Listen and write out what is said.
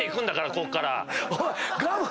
こっから。